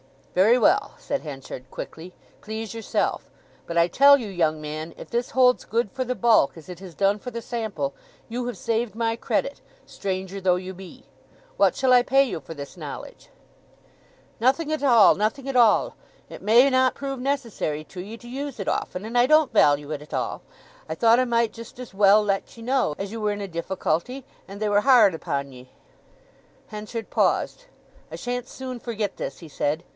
"Very well," said Henchard quickly, "please yourself. But I tell you, young man, if this holds good for the bulk, as it has done for the sample, you have saved my credit, stranger though you be. What shall I pay you for this knowledge?" "Nothing at all, nothing at all. It may not prove necessary to ye to use it often, and I don't value it at all. I thought I might just as well let ye know, as you were in a difficulty, and they were harrd upon ye." Henchard paused. "I shan't soon forget this," he said.